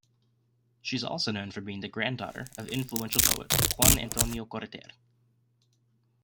She's also known for being the granddaughter of influential poet Juan Antonio Corretjer.